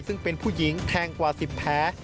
ซึ่งเป็นผู้หญิงแทงกว่า๑๐แผล